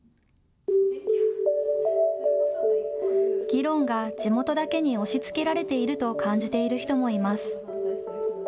議論が地元だけに押しつけられていると感じている人もいます。